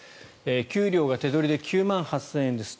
給料が手取りで９万８０００円です